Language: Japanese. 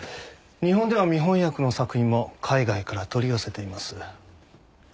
日本では未翻訳の作品も海外から取り寄せています。